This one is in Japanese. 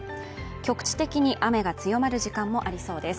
局地的に雨が強まる時間もありそうです